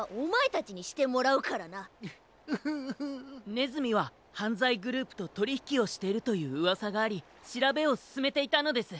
ねずみははんざいグループととりひきをしているといううわさがありしらべをすすめていたのです。